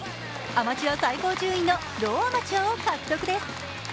アマチュア最高順位のローアマチュアを獲得です。